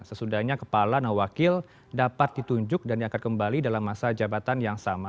sesudahnya kepala dan wakil dapat ditunjuk dan diangkat kembali dalam masa jabatan yang sama